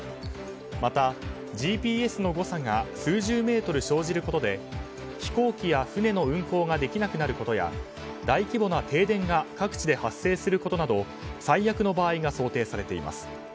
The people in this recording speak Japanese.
また、ＧＰＳの誤差が数十メートル生じることで飛行機や船の運航ができなくなることや大規模な停電が各地で発生することなど最悪の場合が想定されています。